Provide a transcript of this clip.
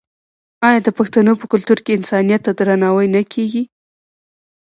آیا د پښتنو په کلتور کې انسانیت ته درناوی نه کیږي؟